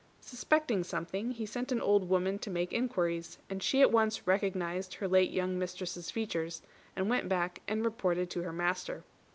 Suspecting something, he sent an old woman to make inquiries; and she at once recognised her late young mistress's features, and went back and reported to her master.